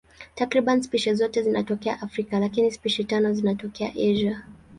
Takriban spishi zote zinatokea Afrika, lakini spishi tano zinatokea Asia.